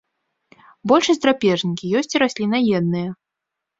Большасць драпежнікі, ёсць і раслінаедныя.